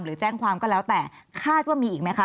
หรือแจ้งความก็แล้วแต่คาดว่ามีอีกไหมคะ